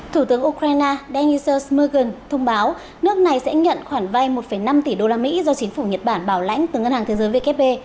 thủ tướng ukraine deniser smugan thông báo nước này sẽ nhận khoản vay một năm tỷ usd do chính phủ nhật bản bảo lãnh từ ngân hàng thế giới vkp